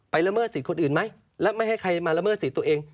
ละเมิดสิทธิ์คนอื่นไหมแล้วไม่ให้ใครมาละเมิดสิทธิ์ตัวเอง